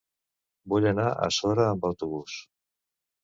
Vull anar a Sora amb autobús.